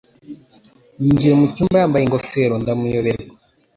Yinjiye mu cyumba yambaye ingofero ndamuyoberwa.